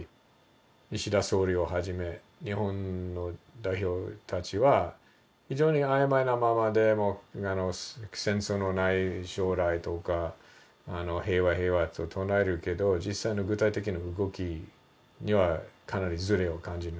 岸田総理をはじめ日本の代表たちは非常にあいまいなままで「戦争のない将来」とか「平和平和」と唱えるけど実際の具体的な動きにはかなりずれを感じるんです。